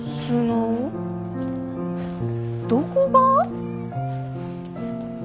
どこが！？